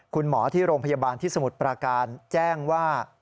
คุณหมอที่โรงพยาบาลที่สมุทรปราการแจ้งว่า